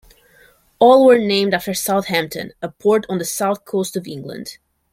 All were named after Southampton, a port on the south coast of England.